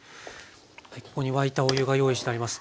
ここに沸いたお湯が用意してあります。